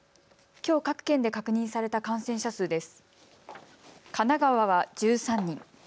きょう各県で確認された感染者数です。